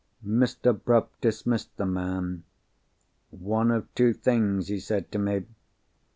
Mr. Bruff dismissed the man. "One of two things," he said to me.